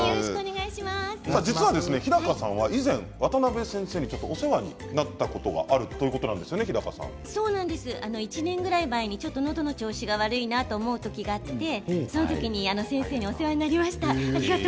実は日高さんは以前渡邊先生にお世話になったことがあると１年ぐらい前にちょっとのどの調子が悪いなと思う時があってその時に先生にお世話になりました。